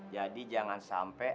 jadi jangan sampai